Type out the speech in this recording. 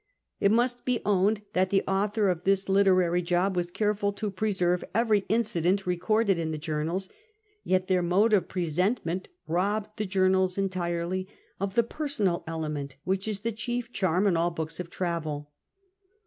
It must be owned that the author of this literary job was careful to preserve every incident re corded in the journals, yet their mode of presentment robbed the journals entirely of the personal element which is the chief charm in all books of travel.